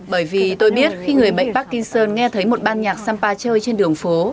bởi vì tôi biết khi người bệnh parkinson nghe thấy một ban nhạc sampa chơi trên đường phố